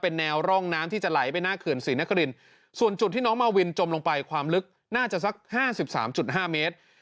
แนวร่องน้ำที่จะไหลไปหน้าเขื่อนศรีนครินส่วนจุดที่น้องมาวินจมลงไปความลึกน่าจะสัก๕๓๕เมตร